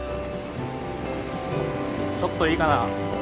ちょっといいかな？